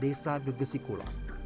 desa gegesik kulon